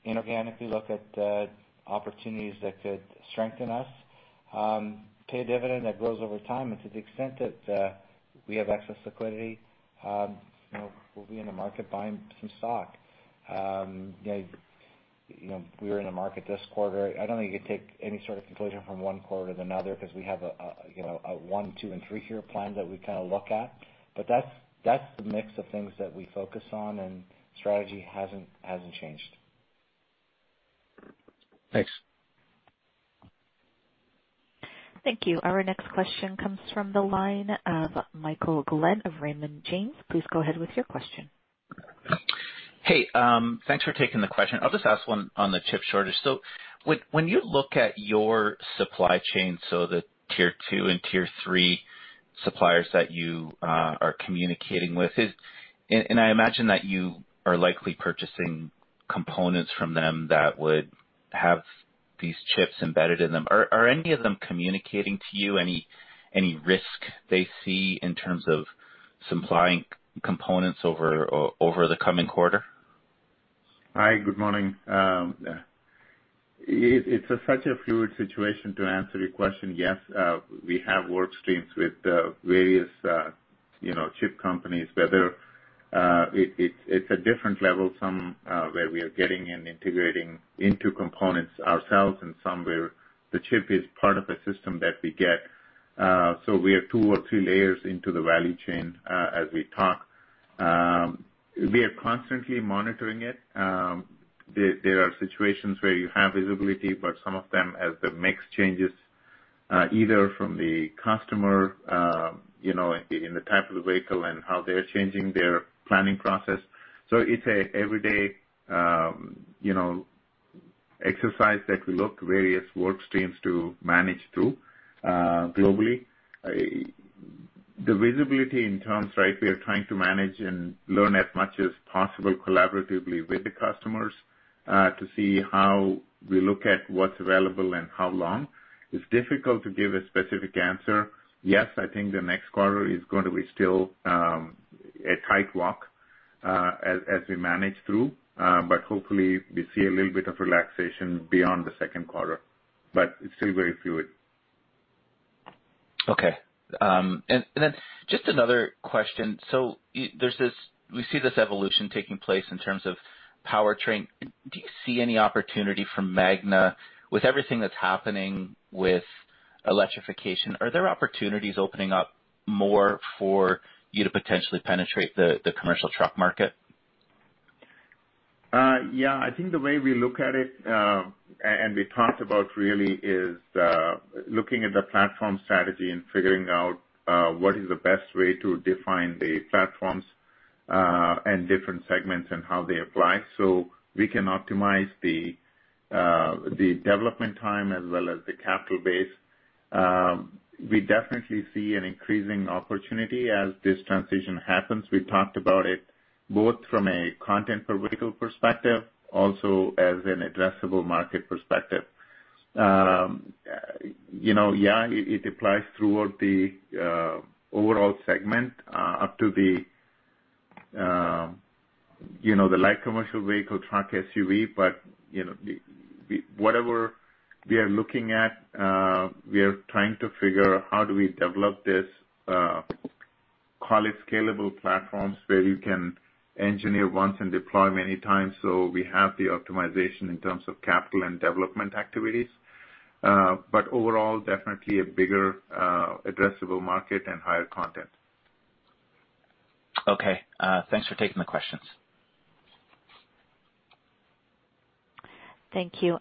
Inorganically, look at opportunities that could strengthen us, pay a dividend that grows over time, and to the extent that we have excess liquidity, we'll be in the market buying some stock. We were in the market this quarter. I don't think you take any sort of conclusion from one quarter to another, because we have a one, two, and three-year plan that we kind of look at. That's the mix of things that we focus on, and strategy hasn't changed. Thanks. Thank you. Our next question comes from the line of Michael Glen of Raymond James. Please go ahead with your question. Hey, thanks for taking the question. I'll just ask one on the chip shortage. When you look at your supply chain, so the tier 2 and tier 3 suppliers that you are communicating with, and I imagine that you are likely purchasing components from them that would have these chips embedded in them, are any of them communicating to you any risk they see in terms of supplying components over the coming quarter? Hi, good morning. It's such a fluid situation, to answer your question. Yes, we have workstreams with various chip companies, whether it's a different level, some where we are getting and integrating into components ourselves, and some where the chip is part of a system that we get. We have two or three layers into the value chain as we talk. We are constantly monitoring it. There are situations where you have visibility, but some of them, as the mix changes, either from the customer in the type of the vehicle and how they're changing their planning process. It's a everyday exercise that we look various workstreams to manage through globally. The visibility in terms, right, we are trying to manage and learn as much as possible collaboratively with the customers to see how we look at what's available and how long. It's difficult to give a specific answer. Yes, I think the next quarter is going to be still a tight walk as we manage through. Hopefully we see a little bit of relaxation beyond the second quarter. It's still very fluid. Okay. Just another question. We see this evolution taking place in terms of powertrain. Do you see any opportunity for Magna, with everything that's happening with electrification, are there opportunities opening up more for you to potentially penetrate the commercial truck market? Yeah. I think the way we look at it, and we talked about really, is looking at the platform strategy and figuring out what is the best way to define the platforms and different segments and how they apply, so we can optimize the development time as well as the capital base. We definitely see an increasing opportunity as this transition happens. We talked about it both from a content per vehicle perspective, also as an addressable market perspective. Yeah, it applies throughout the overall segment, up to the light commercial vehicle, truck, SUV. Whatever we are looking at, we are trying to figure how do we develop this, call it scalable platforms, where you can engineer once and deploy many times, so we have the optimization in terms of capital and development activities. Overall, definitely a bigger addressable market and higher content. Okay. Thanks for taking the questions. Thank you.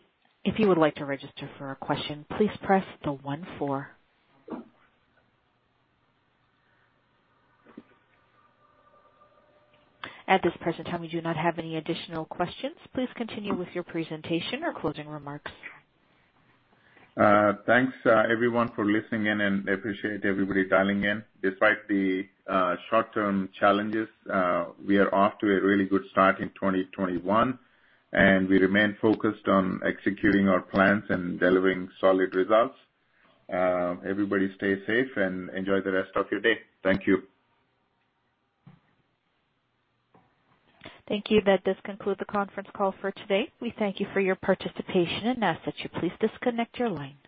At this present time, we do not have any additional questions. Please continue with your presentation or closing remarks. Thanks, everyone, for listening in, and appreciate everybody dialing in. Despite the short-term challenges, we are off to a really good start in 2021, and we remain focused on executing our plans and delivering solid results. Everybody stay safe and enjoy the rest of your day. Thank you. Thank you. That does conclude the conference call for today. We thank you for your participation and ask that you please disconnect your line.